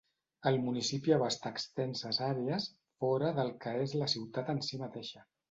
El municipi abasta extenses àrees fora del que és la ciutat en si mateixa.